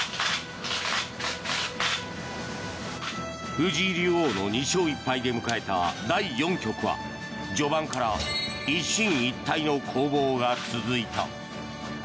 藤井竜王の２勝１敗で迎えた第４局は序盤から一進一退の攻防が続いた。